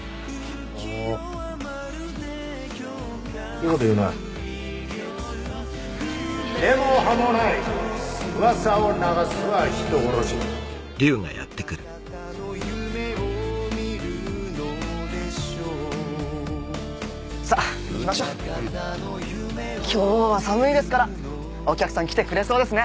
ほういいこと言うな「根も葉もない噂を流すさっ行きましょうん今日は寒いですからお客さん来てくれそうですね